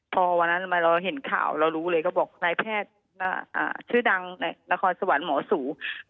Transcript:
พอวันนั้นมาเราเห็นข่าวเรารู้เลยก็บอกนายแพทย์ชื่อดังในละครสวรรค์หมอสู